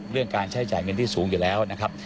เรื่องการใช้จ่ายเงินที่สูงอยู่แล้วนะครับ